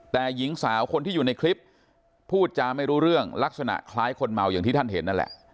แต่หญิงสาวคนที่อยู่ในคลิปพูดจาไม่รู้เรื่องลักษณะคล้ายคนเมาอย่างที่ท่านเห็นนั่นแหละ